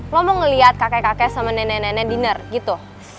lo mau ngeliat kakek kakek sama nenek nenek diner gitu